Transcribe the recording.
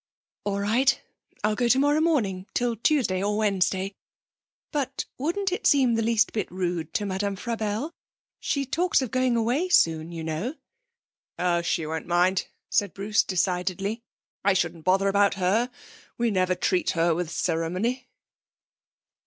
'All right. I'll go tomorrow morning till Tuesday or Wednesday. But wouldn't it seem the least bit rude to Madame Frabelle? She talks of going away soon, you know.' 'Oh, she won't mind,' said Bruce decidedly. 'I shouldn't bother about her. We never treat her with ceremony.'